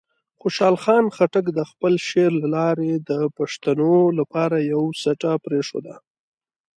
خوشحال خان خټک د خپل شعر له لارې د پښتنو لپاره یوه سټه پرېښوده.